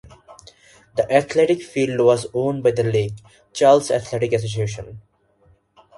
The Athletic Field was owned by the Lake Charles Athletic Association.